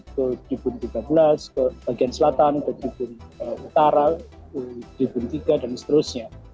ke tribun tiga belas ke bagian selatan ke tribun utara ke tribun tiga dan seterusnya